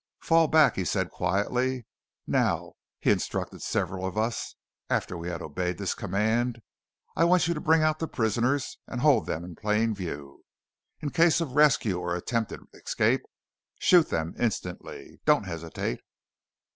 "Fall back," he said quietly. "Now," he instructed several of us, after we had obeyed this command, "I want you to bring out the prisoners and hold them in plain view. In case of rescue or attempted escape, shoot them instantly. Don't hesitate."